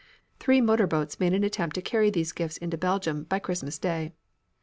Three motor boats made an attempt to carry these gifts into Belgium by Christmas day.